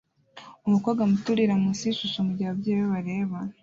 Umukobwa muto urira munsi yishusho mugihe ababyeyi be bareba